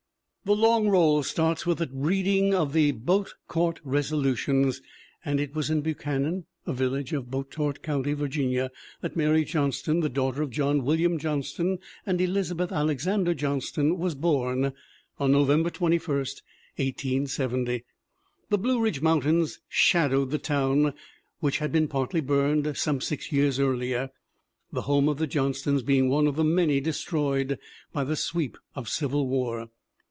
The Long Roll starts with the reading of the Bote tourt Resolutions and it was in Buchanan, a village of Botetourt county, Virginia, that Mary Johnston, the daughter of John William Johnston and Elizabeth Alexander Johnston, was born on November 21, 1870. The Blue Ridge Mountains shadowed the town, which had been partly burned some six years earlier, the home of the Johnstons being one of many destroyed by the sweep of civil war.